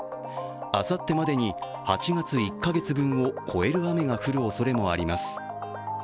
あさってまでに８月、１か月分を超える雨が降るおそれがあります。